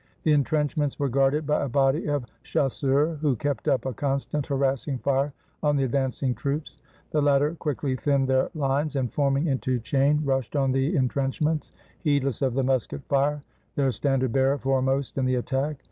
The intrenchments were guarded by a body of chas seurs, who kept up a constant harassing fire on the ad vancing troops. The latter quickly thinned their lines, and forming into chain, rushed on the intrenchments, heedless of the musket fire — their standard bearer foremost in the at tack.